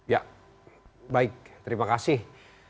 ya baik terima kasih